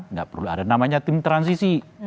nggak perlu ada namanya tim transisi